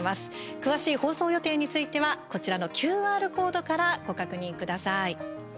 詳しい放送予定についてはこちらのＱＲコードからご確認ください。